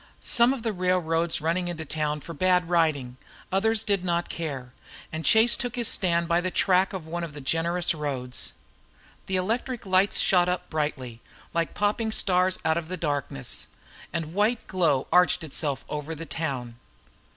Some of the railroads running into town forbade riding, others did not care; and Chase took his stand by the track of one of the generous roads. The electric lights shot up brightly, like popping stars out of the darkness, and white glow arched itself over the town.